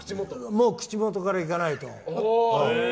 もう、口元からいかないと。